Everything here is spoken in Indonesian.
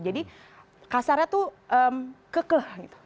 jadi kasarnya tuh kekeh gitu